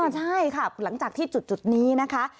ใช่ค่ะหลังจากที่จุดนี้นะคะ